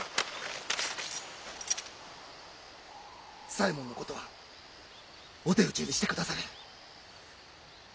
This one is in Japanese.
左衛門のことはお手討ちにしてくだされ。